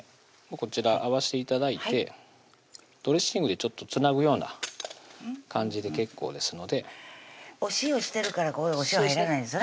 こちら合わして頂いてドレッシングでちょっとつなぐような感じで結構ですのでお塩してるからここへお塩入らないんですね